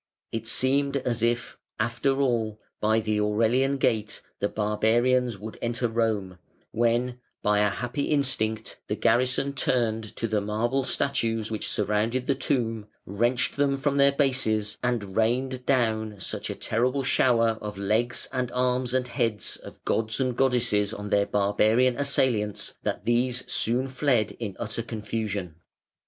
It seemed as if, after all, by the Aurelian Gate the barbarians would enter Rome, when, by a happy instinct, the garrison turned to the marble statues which surrounded the tomb, wrenched them from their bases, and rained down such a terrible shower of legs and arms and heads of gods and goddesses on their barbarian assailants that these soon fled in utter confusion.